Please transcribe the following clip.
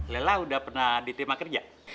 lelah udah pernah diterima kerja